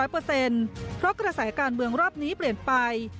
เพราะกระแสการเมืองรอบนี้เปลี่ยนไป